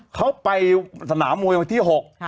เขาไปสนามมวยวันที่๖